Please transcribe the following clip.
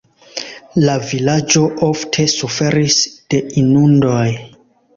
La vilaĝo ofte suferis de inundoj.